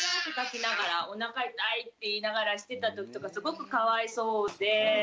「おなか痛い」って言いながらしてた時とかすごくかわいそうで。